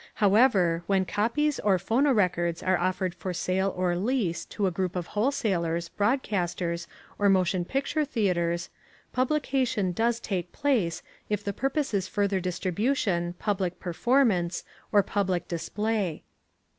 However, when copies or phonorecords are offered for sale or lease to a group of wholesalers, broadcasters, or motion picture theaters, publication does take place if the purpose is further distribution, public performance, or public display.